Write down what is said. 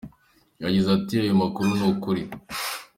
Yagize ati "Ayo makuru ni ukuri.